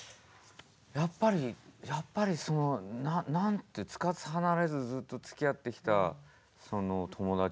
やっぱりやっぱりそのつかず離れずずっとつきあってきたその友達というか。